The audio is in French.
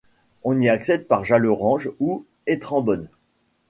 On y accède par Jallerange ou Etrabonne.